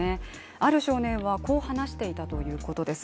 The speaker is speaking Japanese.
ある少年はこう話していたということです。